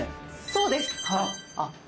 そうです！あっ。